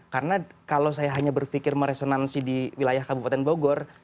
karena kalau saya hanya berpikir meresonansi di wilayah kabupaten bogor